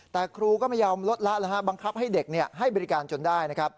แต่ครูก็ไม่ยอมลดละบังคับให้เด็กให้บริการจนได้นะครับ